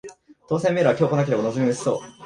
当せんメールは今日来なければ望み薄そう